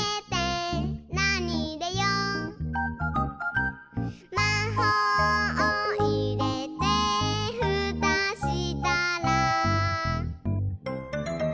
「なにいれよう？」「まほうをいれてふたしたら」